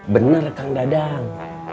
bener kang dadang